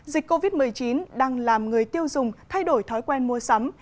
dịch covid một mươi chín đang làm người tiêu dùng thay đổi thói quen mua sắm